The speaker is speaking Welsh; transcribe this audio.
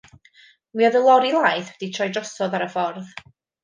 Mi oedd y lori laeth wedi troi drosodd ar y ffordd.